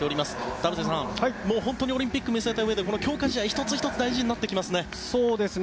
田臥さん、本当にオリンピックを見据えたうえでこの強化試合１つ１つ大事になってきますね。